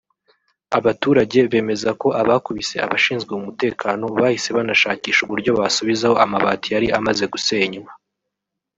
Abaturage bemeza ko abakubise abashinzwe umutekano bahise banashakisha uburyo basubizaho amabati yari amaze gusenywa